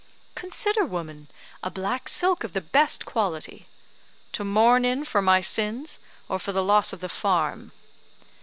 "Consider woman; a black silk of the best quality." "To mourn in for my sins, or for the loss of the farm?"